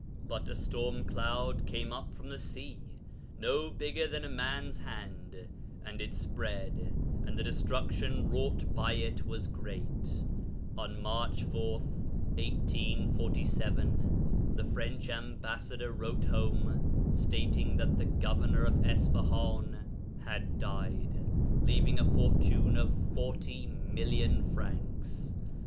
But a storm cloud came up from the sea, no bigger than a man's hand, and it spread, and the destruction wrought by it was great. On March 4, 1847, the French ambassador wrote home stating that the governor of Isfahan had died, leaving a fortune of 40 million francs.